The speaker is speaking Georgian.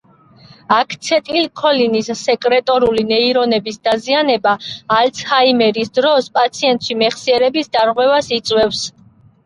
აცეტილქოლინის სეკრეტორული ნეირონების დაზიანება, ალცჰაიმერის დროს, პაციენტში მეხსიერების დარღვევას იწვევს.